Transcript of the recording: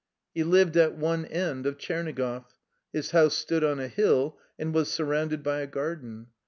He lived at one end of Tchernigoff. His house stood on a hill, and was surrounded by a garden.